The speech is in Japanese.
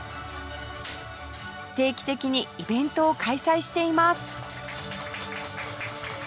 定期的にイベントを開催しています